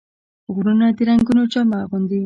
غرونه د رنګونو جامه اغوندي